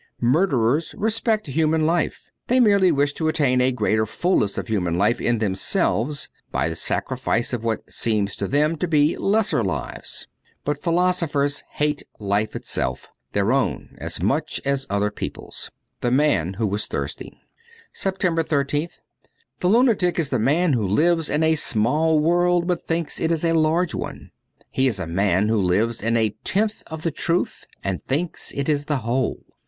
Murderers respect human life ; they merely wish to attain a greater fullness of human life in themselves by the sacrifice of what seems to them to be lesser lives. But philo sophers hate life itself, their own as much as other people's. ' The Man who was Thursday.^ 285 SEPTEMBER 13th THE lunatic is the man who lives in a small world but thinks it is a large one ; he is a man who lives in a tenth of the truth, and thinks it is the whole.